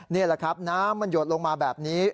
นี่แหละครับน้ำมันหยดลงมาแบบนี้